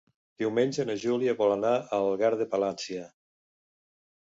Diumenge na Júlia vol anar a Algar de Palància.